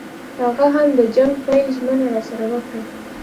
هغه هم د جنګ پیل ژمنه راسره وکړه.